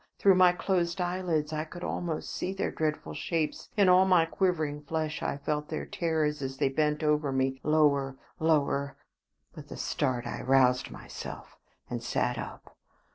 Through my closed eyelids I could almost see their dreadful shapes; in all my quivering flesh I felt their terrors as they bent over me, lower, lower. ... With a start I aroused myself and sat up.